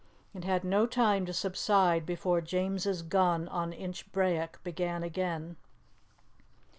It had no time to subside before James's gun on Inchbrayock began again.